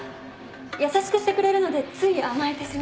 優しくしてくれるのでつい甘えてしまって。